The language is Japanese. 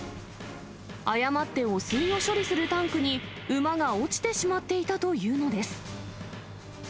誤って汚水を処理するタンクに馬が落ちてしまっていたというのです。